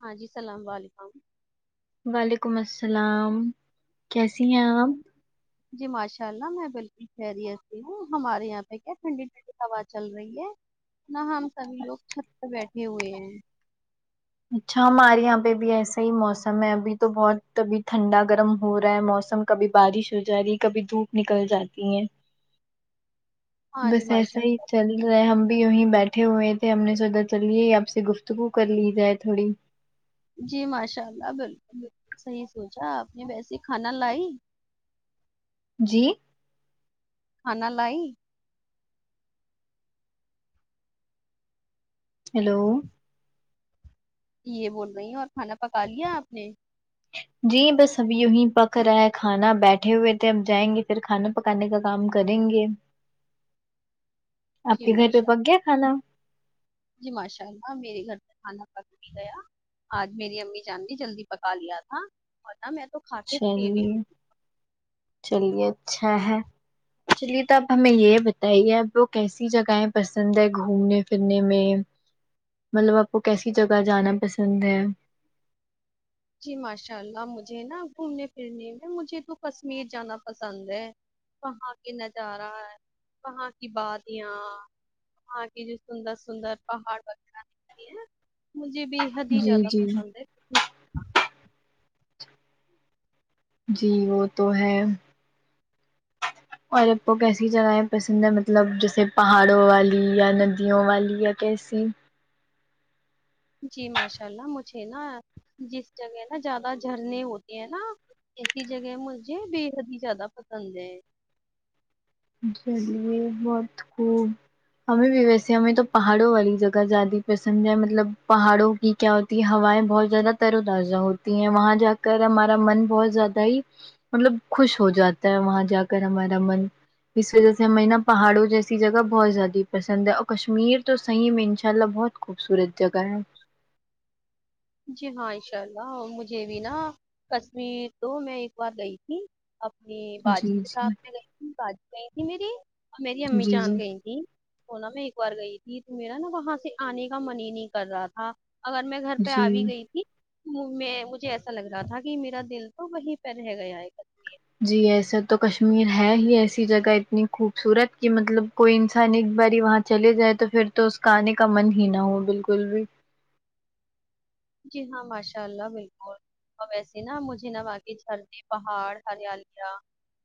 ہاں جی السلام علیکم وعلیکم السلام کیسی ہیں آپ جی ماشاء اللہ میں بالکل خیریت سے ہوں ہمارے یہاں پے کیا ٹھنڈی ٹھنڈی ہوا چل رہی ہے نہ ہم سبھی لوگ چھت پر بیٹھے ہوئے ہیں اچھا ہمارے یہاں پے بھی ایسا ہی موسم ہے ابھی تو بہت ابھی ٹھنڈا گرم ہو رہا ہے موسم کبھی بارش ہو جا رہی کبھی دھوپ نکل جاتی ہے ہاں جی بس ماشاء ایسا ہی چل رہے ہم بھی یونہی بیٹھے ہوئے تھے ہم نے سوچا چلیے آپ سے گفتگو کر لی جائے تھوڑی جی ماشاء اللہ بالکل بالکل صحیح سوچا آپ نے ویسے کھانا لائی جی کھانا لائی ہیلو یے بول رہی ہیں اور کھانا پکالیا آپ نے جی بس اب یہی پک رہا ہے کھانا بیٹھے ہوئے تھے اب جائیں گے پھر کھانا پکانے کا کام کریں گے آپ جی کے گھر پے ماشاء پک گیا کھانا جی ماشاء اللہ میرے گھر سے کھانا پک بھی گیا آج میری امی جان نے جلدی پکا لیا تھا ورنہ میں تو کھا کے فری بھی چلیے چلیے اچھا ہے چلیے تو اب ہمیں یے بتائی ہے اب کو کیسی جگہیں پسند ہے گھومنے پھرنے میں مطلب آپ کو کیسی جگہ جانا پسند ہے جی ماشاء اللہ مجھے نا گھومنے پھرنے میں مجھے تو کشمیر جانا پسند ہے وہاں کے نظارہ وہاں کی بادیاں وہاں کی جو سندر سندر پہاڑ وغیرہ دکھتے ہیں مجھے بھی بحد ہی جی زیادہ جی پسند ہے جی وہ تو ہے اور آپ کو کیسی جگہیں پسند ہیں مطلب جیسے پہاڑوں والی یا ندیوں والی یا کیسی جی ماشاء اللہ مجھے نا جس جگہ نا زیادہ جھرنے ہوتے ہیں نا ایسی جگہ مجھے بےحد ہی زیادہ پسند ہے چلیے بہت خوب ہمیں بھی ویسے ہمیں تو پہاڑوں والی جگہ زیادی پسند ہے مطلب پہاڑوں کی کیا ہوتی ہے ہوائیں بہت زیادہ تروتازہ ہوتی ہیں وہاں جا کر ہمارا من بہت زیادہ ہی مطلب خوش ہو جاتا ہے وہاں جا کر ہمارا من اس وجہ سے ہمیں نا پہاڑوں جیسی جگہ بہت زیادی پسند ہے اور کشمیر تو صحیح میں ان شاء اللہ بہت خوبصورت جگہ ہے جی ہاں انشاء اللہ مجھے بھی نا کشمیر تو میں ایک بار گئی تھی اپنی باجی جی کے جی ساتھ میں گئی تھی باجی گئی تھی میری اور میری امی جی جی جان گئی تھی وہ نا میں ایک بار گئی تھی تو میرا نا وہاں سے آنے کا من ہی نہیں کر رہا تھا اگر میں گھر پے آ جی بھی گئی تھی میں مجھے ایسا لگ رہا تھا کہ میرا دل تو وہیں پے رہ گیا ہے کشمیر جی ایسے تو کشمیر ہے ہی ایسی جگہ اتنی خوبصورت کی مطلب کوئی انسان ایک باری وہاں چلے جائے تو پھر تو اس کا آنے کا من ہی نہ ہو بالکل بھی جی ہاں ماشاء اللہ بالکل اور ویسے نا مجھے نہ باقی جھرنے پہاڑ ہریالیا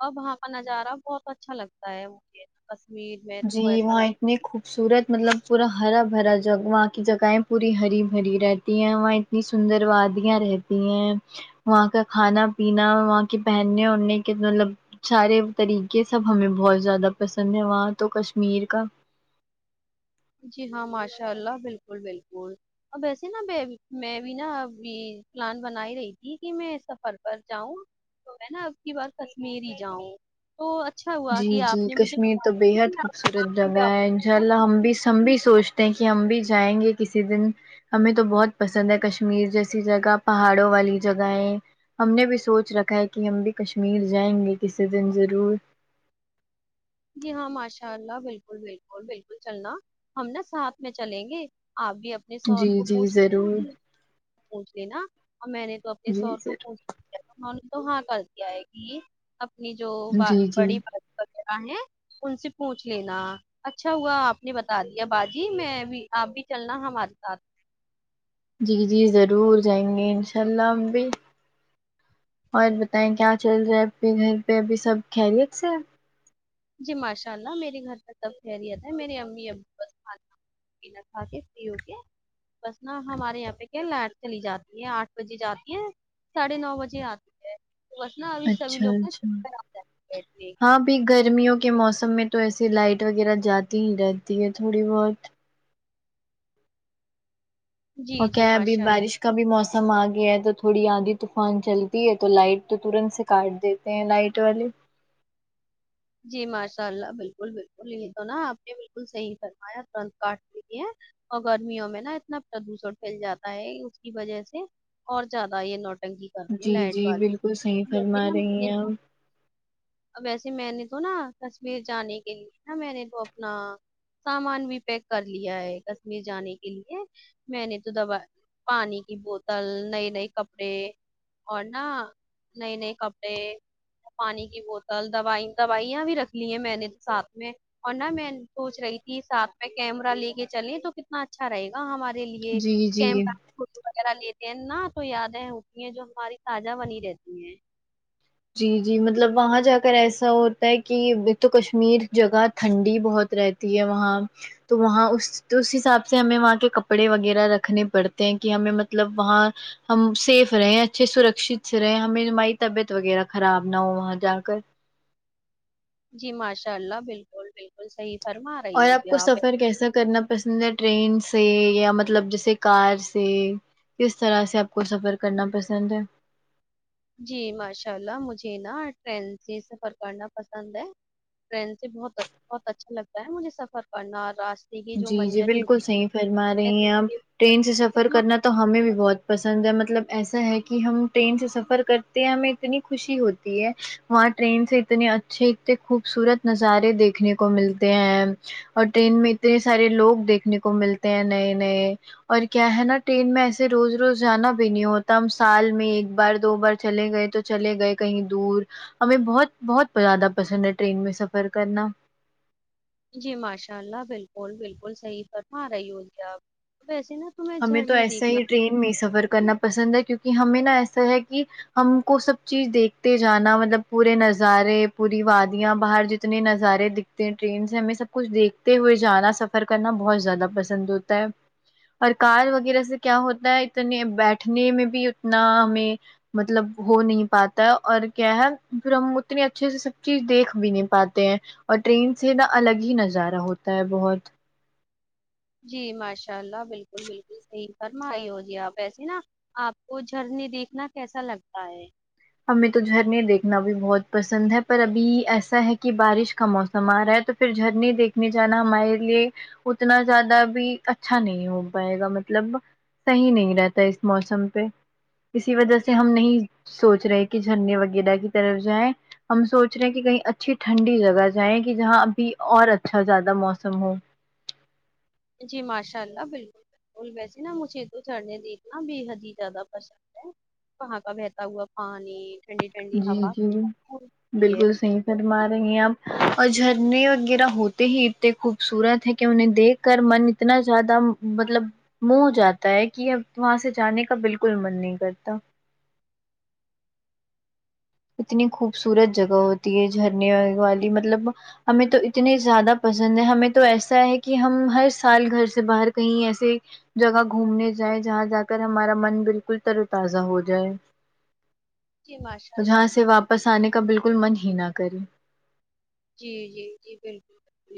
اور وہاں کا نظارہ بہت اچھا لگتا ہے مجھے کشمیر میں تو جی ایسا لگ واے اتنی خوبصورت مطلب پورا ہرا بھرا جگ وہاں کی جگائیں پوری ہری بھری رہتی ہیں وہاں نی سندر وادیاں رہتی ہیں وہاں کا کھانا پینا وہاں کی پہننے اڑنے کے مطلب سارے طریقے سب ہمیں بہت زیادہ پسند ہے وہاں تو کشمیر کا جی ہاں ماشاء اللہ بالکل بالکل آں ویسے نا میں میں بھی نا ابھی پلان بنا ہی رہی تھی کی میں سفر پر جاؤں تو میں نا اب کی بار کشمییر ہی جاؤں تو اچھا ہوا جی کہ جی آپ نے مجھے کشمیر بتا تو دیا بےحد کہ آپ خوبصورت آپ بھی جگہ جاؤ ہے انشاء گے اللہ نا، آپ ہم بھی س ہم بھی سوچتے ہیں کی ہم بھی جائیں گے کسی دن ہمیں تو بہت پسند ہے کشمیر جیسی جگہ پہاڑوں والی جگائیں ہم نے بھی سوچ رکھا ہے کی ہم بھی کشمیر جائیں گے کسی دن ضرور جی ہاں ماشاء اللہ بالکل بالکل بالکل چلنا ہم نا ساتھ میں چلیں گے آپ بھی اپنے سوہر جی کو جی پوچھ لینا ضرور پوچھ لینا اور میں نے تو اپنے جی سوہر کو ضرور پوچھ لیا انہوں نے تو ہاں کر دیا ہے کی اپنی جو با جی جی بڑی بات وغیرہ ہے ان سے پوچھ لینا اچھا ہوا آپ نے بتا دیا باجی میں بھی آپ بھی چلنا ہمارے ساتھ جی جی ضرور جائیں گے انشاء اللہ ہم بھی اور بتائیں کیا چل رہا اپنے گھر پہ ابھی سب خیریت سے ہے جی ماشاء اللہ میری گھر پر سب خیریت ہے میری امی ابو بس کھان ا پینا کھا کے فری ہوکے بس نا ہمارے یہاں پہ کیا لائٹ چلی جاتی ہے آٹھ بجے جاتی ہے ساڑھے نو بجے آتی ہے اچھا [unintelligible] اب گرمیوں کے موسم میں تو ایسی لائٹ وغیرہ جاتی ہی رہتی ہے تھوڑی بہت او جی جی کیا ابھی ماشاء اللہ بارش کا بھی موسم آ گیا ہے تو تھوڑی آندھی طوفان چلتی ہے تو لائٹ تو ترنت سے کاٹ دیت ے لائٹ والے جی ماشاء اللہ بالکل بالکل یہ تو نا آپ نے بالکل صحیح فرمایا ترنت کاٹ لی ہے اور گرمیوں میں نا اتنا پدھوشن پھیل جاتا ہے اس کی وجہ سے اور زیادہ یہ نوٹنکی کرتی ہیں جی لائٹ جی بالکل صحیح والی جیسے فرما نا رہی میرے ہیں آپ ویسے میں نے تو نا کشمیر جانے کے لیے نا میں نے تو اپنا سامان بھی پیک کر لیا ہے کشمیر جانے کے لیے میں نے تو دبا پانی کی بوتل نئے نئے کپڑے اور نا نئے نئے کپڑے پانی کی بوت ل دوائی دوائیاں بھی رکھ لی ہیں میں نے تو ساتھ میں اور نہ میں سوچ رہی تھی ساتھ میں کیمرا لے کے چلیں تو کیا کتنا اچھا رہے گا ہمارے لیے جی جی کیمرہ فوٹو وغیرہ لیتے ہیں نا تو یادیں ہوتی ہیں جو ہماری تازہ بنی رہتی ہیں جی جی مطلب وہاں جا کر ایسا ہوتا ہے کہ تو کشمیر جگہ ٹھنڈی بہت رہت تی ہے وہاں تو وہاں اس اس حساب سے ہمیں وہاں کے کپڑے وغیرہ رکھنے پڑتے ہیں کہ ہمیں مطلب وہاں ہم سیف رہے اچھے سرکشت سے رہے ہمیں ہماری طبیعت وغیرہ خراب نہ ہو وہاں جا کر جی ماشاء اللہ بالکل بالکل صحیح فرما رہی اور آپ ہوگی کو سفر کیسا کرنا پسند ہے ٹرین سے یا مطلب جیسے کار سے کس طرح سے آپ کو سفر کرنا پسند ہے جی ماشاء اللہ مجھے نا ٹرین سے سفر کرنا پسند ہے ٹرین سے بہت بہت اچھا لگتا ہے مجھے سفر کرنا اور راہ جی جی بالکل صحیح فرما رہی ہیں دیکھ آپ کے ٹرین سے سفر کتنا کرنا تو ہمیں بھی بہت پسند ہے مطلب ایسا ہے کہ ہم ٹرین سے سفر کرتے ہیں ہمیں اتنی خوشی ہوتی ہے وہاں ٹرین سے اتنے اچھے اتنے خوبصورت نظارے دیکھنے کو ملتے ہیں اور ٹرین میں اتنے سارے لوگ دیکھنے کو ملتے ہیں نئے نئے اور کیا ہے نا ٹرین میں ایسے روز روز جانا بھی نہیں ہوتا ہم سال میں ایک بار دو بار چلے گئے تو چلے گئے کہیں دور ہمیں بہت بہت زیادہ پسند ہے ٹرین میں سفر کرنا جی ماشاء اللہ بالکل بالکل صحیح فرما رہی ہو جی آپ ویسے نا تمیں ہمیں جھر تو نہیں ایسا دیکھنا ہی ٹرین میں سفر کرنا پسند ہے کیونکہ ہمیں نہا ایسا ہے کہ ہم کو سب چیز دیکھتے جانا مطلب پورے نظارے پوری وادیاں باہر جتنے نظارے دکھ ٹرین سے ہمیں سب کچھ دیکھتے ہوئے جانا سفر کرنا بہت زیادہ پسند ہوتا ہے اور کار وغیرہ سے کیا ہوتا ہے اتنے بیٹھنے میں بھی اتنا ہمیں مطلب ہو نہیں پاتا ہے اور کیا ہے پھر ہم اتنی اچھے سے سب چیز دیکھ بھی نہیں پاتے ہیں اور ٹرین سے نا الگ ہی نظارہ ہوتا ہے بہت جی ماشاء اللہ بلکل بلکل صحیح فرمائی ہو جی آپ ایسے نا آپ کو جھرنے دیکھنا کیسا لگتا ہے ہمیں تو جھرنے دیکھنا بھی بہت پسند ہے پر ابھی ایسا ہے کہ بارش کا موسم آ رہا ہے تو پھر جھرنے دیکھنے جانا ہمارے لیے اتنا زیادہ بھی اچھا نہیں ہو پائے گا مطلب صحیح نہیں رہتا اس موسم پہ اسی وجہ سے جی ہم نہیں سوچ رہے کہ جھرنے وغیرہ کی طرف جائیں ہم سوچ رہے ہیں کہ کہیں اچھی ٹھنڈی جگہ جائیں کہ جہاں ابھی اور اچھا زیادہ موسم ہو جی ماشاء اللہ بلکل ویسے نا مجھے تو چڑھنے دیکھنا بے حد ہی زیادہ پسند ہے وہاں کا بہتا ہوا پانی ٹھنڈی ٹھنڈی جی ہوا جی ہوتی ہے بلکل صحیح فرما رہی ہیں آپ اور جھرنے وغیرہ ہوتے ہی اتنے خوبصورت ہے کہ انہیں دیکھ کر من اتنا زیادہ مطلب منہ ہو جاتا ہے کہ اب وہاں سے جانے کا بلکل من نہیں کرتا اتنی خوبصورت جگہ ہوتی ہے جھرنے والی مطلب ہمیں تو اتنے زیادہ پسند ہیں ہمیں تو ایسا ہے کہ ہم ہر سال گھر سے باہر کہیں ایسے جگہ گھومنے جائیں جہاں جا کر ہمارا من بلکل تر و تازہ ہو جائے جی ماشاء جہاں اللہ سے واپس آنے کا بلکل من ہی نہ کرے جی جی جی بلکل [unintelligible]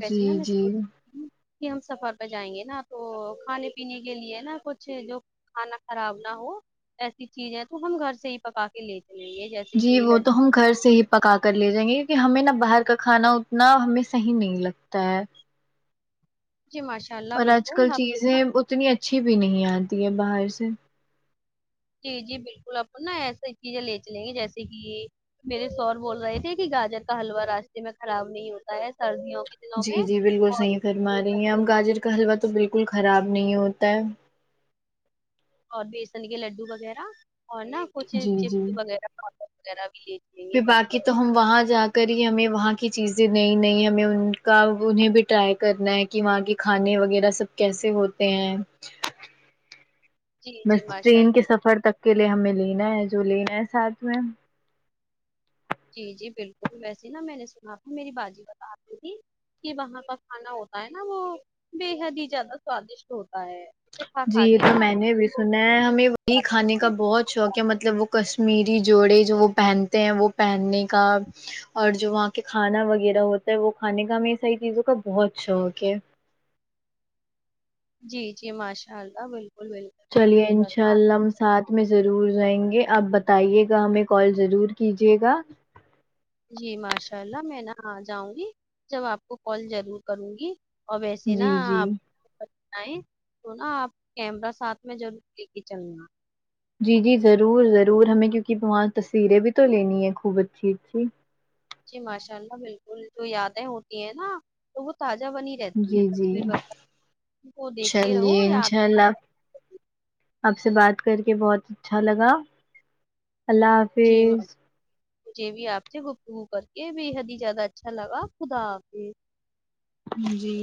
ویسے نا جی میں اس جی کہ ہم سفر پہ جائیں گے نا تو کھانے پینے کے لیے نا کچھ جو کھانا خراب نہ ہو ایسی چیز ہے تو ہم گھر سے ہی پکا کے لے چلیں گے جیسے جی کہ وہ تو ہم لڈو گھر سے ہی پکا کر لے جائیں گے کیونکہ ہمیں نا باہر کا کھانا اتنا ہمیں صحیح نہیں لگتا ہے جی ماش اور آج کل چیزیں اتنی اچھی بھی نہیں آتی ہے باہر سے جی جی بلکل اپن نا ایسے چیزیں لے چلیں گے جیسے کہ میرے سور بول رہے تھے کہ گاجر کا حلوا راستے میں خراب نہیں ہوتا ہے سردیوں کے دنوں جی میں جی بالکل صحیح فرما رہی ہیں اور اپ گاجر کا حلوہ تو بالکل خراب نہیں ہوتا ہے اور بیسن کے لڈڈو وغیرہ اور نا کچھ جی جی چپس وغیرہ پاپ [unintelligible] وغیرہ بھی چلیں گے پھر بن باقی تو ہم وہاں جا کے کری ہمیں وہاں کی چیزیں نہیں نہیں ہمیں ان کا انہیں بھی ٹرائی کرنا ہے کہ وہاں کے کھانے وغیرہ سب کیسے ہوتے ہیں جی جی بس ماشاء ٹرین کے اللہ سفر تک کے لیے ہمیں لینا ہے جو لینا ہے ساتھ میں جی جی بالکل ویسے نا میں نے سنا تھا میری باجی بتاری تھی کہ وہاں کا کھانا ہوتا ہے نا وہ بےحد ہی جیادہ سوادشٹ ہوتا ہے اسے کھا جی کھا یہ کے تو نا میں نے بھی وہ- سنا ہے ہمیں وہی کھانے کا بہت شوق کہ مطلب وہ کشمیری جوڑے جو وہ پہنتے ہیں وہ پہننے کا اور جو وہاں کے کھانا وغیرہ ہوتا ہے وہ کھانے کا ہمیں ساری چیزوں کا بہت شوق ہے جی جی ماشاء اللہ بالکل بالکل چلیے صحیح انشاء فرما اللہ ساتھ میں ضرور جائیں گے آپ بتائیے گا ہمیں کال ضرور کیجیے گا جی ماشاء اللہ میں نہ آ جاؤں گی جب آپ کو کال ضرور کروں گی اور ویسے نا جی جی آپ پر جائے تو نا آپ کیمرہ ساتھ میں ضرور لے کے چلنا جی جی ضرور ضرور ہمیں کیونکہ وہاں تصویریں بھی تو لینی ہے خوب اچھی اچھی جی ماشاء اللہ بالکل جو یادیں ہوتی ہیں نا تو وہ تازہ بنی رہتی ہے جی جی تصویر وغیرہ کو دیکھتے رہو چلیے یاد انشاء اللہ ہے۔ آپ سے بات کر کے بہت اچھا لگا اللہ جی حافظ مجھے بھی آپ سے گفتگو کر کے بے حد ہی زیادہ اچھا لگا خدا حافظ جی